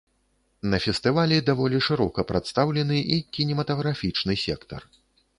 На фестывалі даволі шырока прадстаўлены і кінематаграфічны сектар.